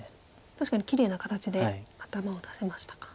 確かにきれいな形で頭を出せましたか。